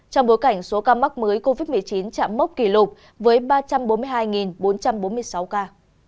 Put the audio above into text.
trong bối cảnh số ca mắc mới covid một mươi chín chạm mốc kỷ lục với ba trăm bốn mươi hai bốn trăm bốn mươi sáu ca